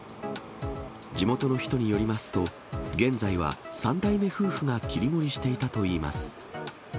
地元の人によりますと、現在は３代目夫婦が切り盛りしていたといいます。